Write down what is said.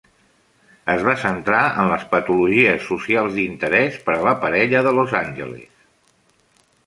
Es va centrar en les patologies socials d'interès per a la parella de Los Angeles.